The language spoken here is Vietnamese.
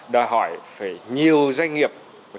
đòi hỏi phải nhiều doanh nghiệp